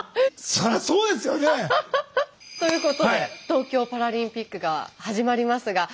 そらそうですよねえ。ということで東京パラリンピックが始まりますが。